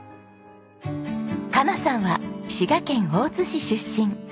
佳奈さんは滋賀県大津市出身。